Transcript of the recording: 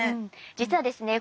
実はですね